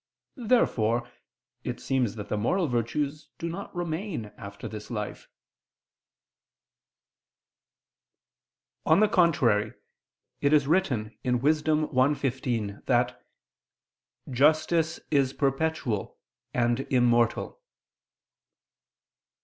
Therefore it seems that the moral virtues do not remain after this life. On the contrary, It is written (Wis. 1:15) that "justice is perpetual and immortal."